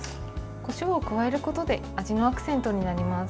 こしょうを加えることで味のアクセントになります。